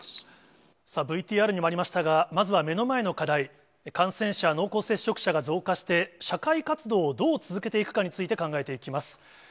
ＶＴＲにもありましたが、まずは目の前の課題、感染者、濃厚接触者が増加して、社会活動をどう続けていくかについて考えていきます。